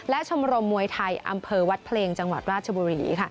และชมรมมวยไทยอำเภอวัดเพลงจังหวัดราชบุรี